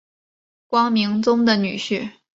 明光宗的女婿。